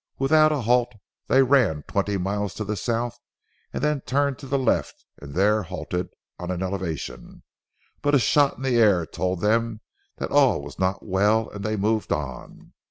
Without a halt they ran twenty miles to the south, then turned to the left and there halted on an elevation; but a shot in the air told them that all was not well and they moved on.